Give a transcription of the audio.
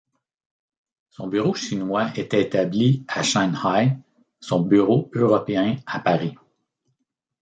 Son bureau chinois était établi à Shanghai, son bureau européen à Paris.